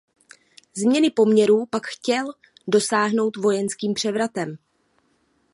Změny poměrů pak chtěl dosáhnout vojenským převratem.